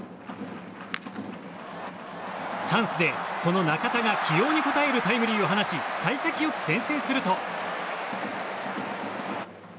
チャンスでその中田が起用に応えるタイムリーを放ち幸先よく先制すると。